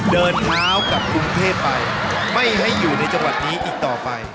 เดินเท้ากลับกรุงเทพไปไม่ให้อยู่ในจังหวัดนี้อีกต่อไป